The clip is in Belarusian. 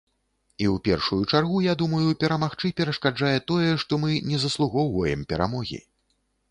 І ў першую чаргу, я думаю, перамагчы перашкаджае тое, што мы не заслугоўваем перамогі.